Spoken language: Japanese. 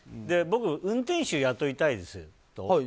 僕、運転手雇いたいです。